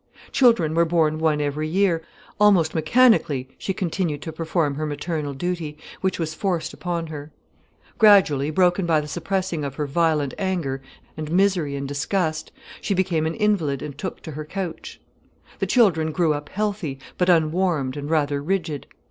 Children were born one every year; almost mechanically, she continued to perform her maternal duty, which was forced upon her. Gradually, broken by the suppressing of her violent anger and misery and disgust, she became an invalid and took to her couch. The children grew up healthy, but unwarmed and rather rigid.